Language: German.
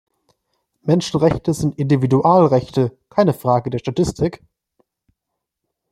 Menschenrechte sind Individualrechte, keine Frage der Statistik.